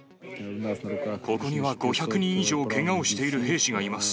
ここには５００人以上けがをしている兵士がいます。